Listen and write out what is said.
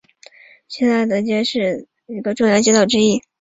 拉希德街是伊拉克巴格达市中心的重要街道之一。